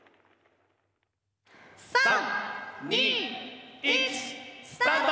３・２・１スタート！